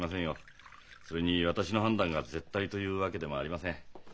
それに私の判断が絶対というわけでもありません。